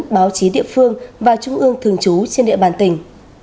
báo chí địa phương và trung ương thường trú trên địa bàn tỉnh